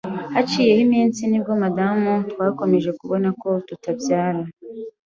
Haciyeho iminsi nibwo madamu twakomeje kubona ko tutabyara